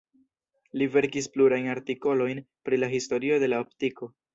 Li verkis plurajn artikolojn pri la historio de la optiko.